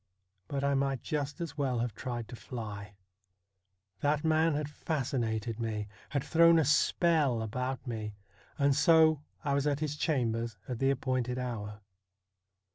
But I might just as well have tried to fly. That man had fascinated me ; had thrown a spell about me, and so I was at his chambers at the appointed hour.